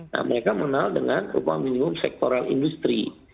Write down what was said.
nah mereka mengenal dengan upah minimum sektoral industri